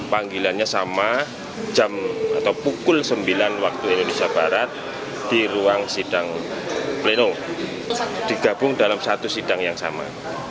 panggilannya sama jam atau pukul sembilan waktu indonesia barat di ruang sidang pleno digabung dalam satu sidang yang sama